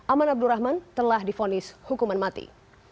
aman abdurrahman telah difonis hukuman mati